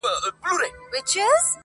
زه د شرابيانو قلندر تر ملا تړلى يم.